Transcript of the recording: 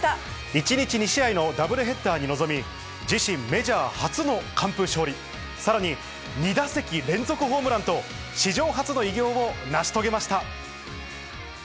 １日２試合のダブルヘッダーに臨み、自身メジャー初の完封勝利、さらに２打席連続ホームランと、史上初の偉業を成し遂げました。